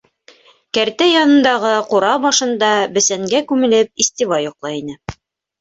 Кәртә янындағы ҡура башында, бесәнгә күмелеп, Истебай йоҡлай ине.